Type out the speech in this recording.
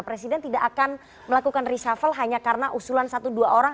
presiden tidak akan melakukan reshuffle hanya karena usulan satu dua orang